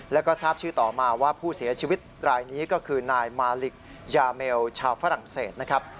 แล้วก็ทราบชื่อต่อมาว่าผู้เสียชีวิตรายนี้ก็คือนายมาลิกยาเมลชาวฝรั่งเศสนะครับ